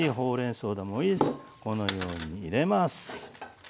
このように入れます。